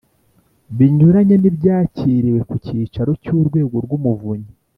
binyuranye n ibyakiririwe ku cyicaro cy Urwego rw Umuvunyi